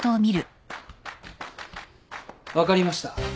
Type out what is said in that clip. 分かりました。